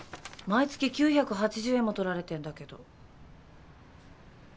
毎月９８０円も取られてんだけど。